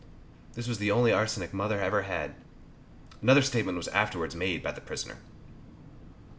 This was the only arsenic my mother ever had. Another statement was afterwards made by the prisoner.